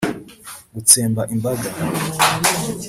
gutsemba imbaga